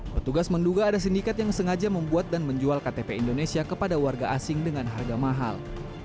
petugas menduga ada sindikat yang sengaja membuat dan menjual ktp indonesia kepada warga asing dengan harga mahal